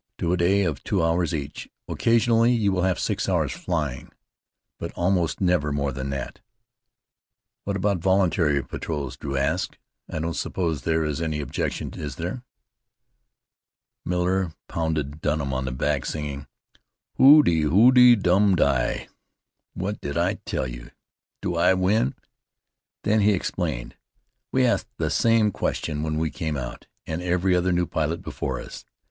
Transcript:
"Two a day of two hours each. Occasionally you will have six hours' flying, but almost never more than that." "What about voluntary patrols?" Drew asked. "I don't suppose there is any objection, is there?" Miller pounded Dunham on the back, singing, "Hi doo dedoo dum di. What did I tell you! Do I win?" Then he explained. "We asked the same question when we came out, and every other new pilot before us.